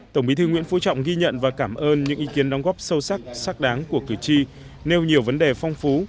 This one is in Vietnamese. tổng bí thư nguyễn phú trọng ghi nhận và cảm ơn những ý kiến đóng góp sâu sắc sắc đáng của cử tri nêu nhiều vấn đề phong phú